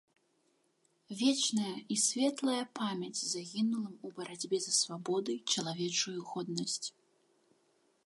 Вечная і светлая памяць загінулым у барацьбе за свабоду й чалавечую годнасць.